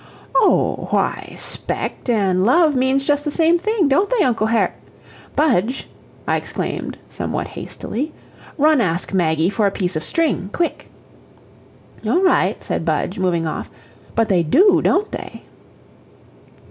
"Oh, why, 'spect an' love means just the same thing, don't they, Uncle Har " "Budge," I exclaimed, somewhat hastily "run ask Maggie for a piece of string quick!" "All right," said Budge, moving off, "but they DO, don't they?"